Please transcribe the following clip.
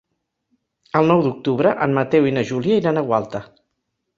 El nou d'octubre en Mateu i na Júlia iran a Gualta.